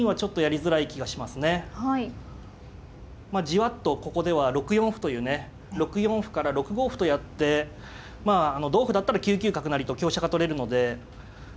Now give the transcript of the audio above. じわっとここでは６四歩というね６四歩から６五歩とやってまあ同歩だったら９九角成と香車が取れるので。